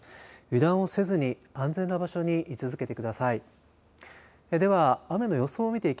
油断をせずに安全な場所に居続けてください。